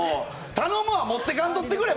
頼むわ、持ってかんといてくれ。